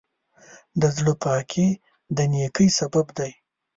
د زړۀ پاکي د نیکۍ سبب دی.